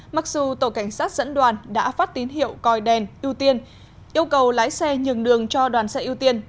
mặc dù tổ cảnh sát dẫn đoàn đã phát tín hiệu coi đèn ưu tiên yêu cầu lái xe nhường đường cho đoàn xe ưu tiên